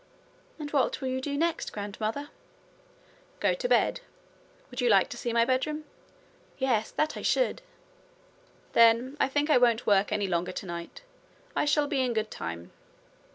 'And what will you do next, grandmother?' 'Go to bed. Would you like to see my bedroom?' 'Yes, that I should.' 'Then I think I won't work any longer tonight. I shall be in good time.'